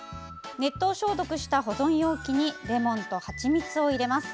熱湯消毒した保存容器にレモンとはちみつを入れます。